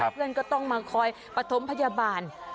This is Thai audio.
เพื่อนก็ต้องมาคอยปฐมพยาบาล